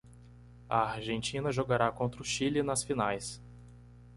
A Argentina jogará contra o Chile nas finais.